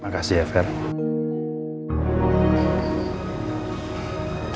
makasih ya farel